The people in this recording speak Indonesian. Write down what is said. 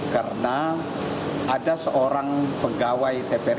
karena ada seorang pegawai tvri sumatera